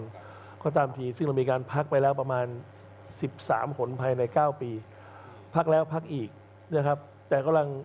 เพราะตามที่ซึ่งเรามีการพักไปแล้วประมาณ๑๓ผลภัยใน๙ปีพักแล้วพักอีกนะครับ